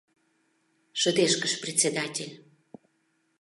— шыдешкыш председатель.